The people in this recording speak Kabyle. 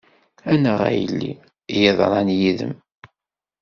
Annaɣ a yelli, i yeḍran yid-m.